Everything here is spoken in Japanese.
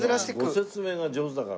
ご説明が上手だからね。